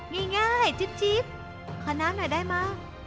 ง่ายจิ๊บขอน้ำหน่อยได้มั้ง